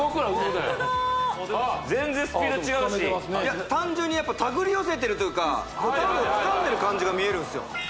ホントだ全然スピード違うし単純にやっぱたぐり寄せてるというかつかんでる感じが見えるんすよ